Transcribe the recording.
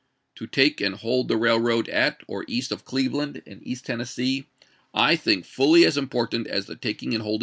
To take and hold the ?une 30,' railroad at or east of Cleveland, in East Tennessee, voi.' xvii.; . Part II I think fully as important as the taking and hold p.